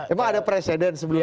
emang ada presiden sebelumnya